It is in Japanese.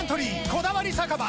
「こだわり酒場